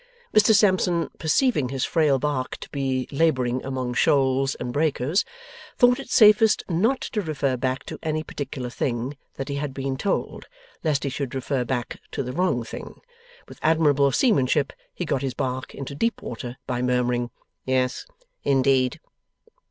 Mr Sampson perceiving his frail bark to be labouring among shoals and breakers, thought it safest not to refer back to any particular thing that he had been told, lest he should refer back to the wrong thing. With admirable seamanship he got his bark into deep water by murmuring 'Yes indeed.